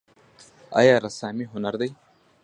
آیا رسامي هنر دی؟